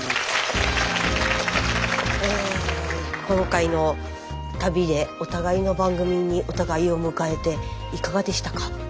今回の旅でお互いの番組にお互いを迎えていかがでしたか？